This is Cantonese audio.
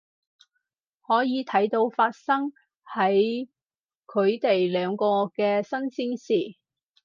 可以睇到發生喺佢哋兩個嘅新鮮事